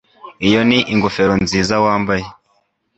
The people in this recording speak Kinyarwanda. Iyo ni ingofero nziza wambaye